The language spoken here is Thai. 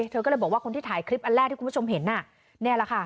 เธอก็เลยบอกว่าคนที่ถ่ายคลิปอันแรกที่คุณผู้ชมเห็นน่ะนี่แหละค่ะ